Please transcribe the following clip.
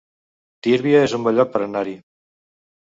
Tírvia es un bon lloc per anar-hi